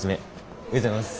おはようございます。